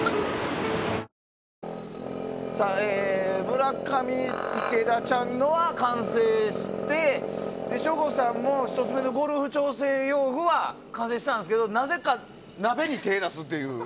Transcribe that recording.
村上、池田ちゃんのは完成して省吾さんも１つ目のゴルフ調整用具は完成したんですけどなぜか、鍋に手を出すという。